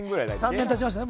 ３年、経ちましたね。